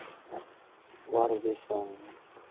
我完全感受到嗰份誠意同體育精神